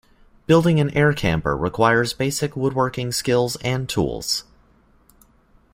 Building an Air Camper requires basic woodworking skills and tools.